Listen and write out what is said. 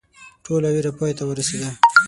ټوله ویره پای ته ورسېده.